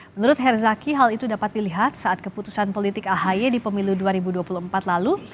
menurut herzaki hal itu dapat dilihat saat keputusan politik ahy di pemilu dua ribu dua puluh empat lalu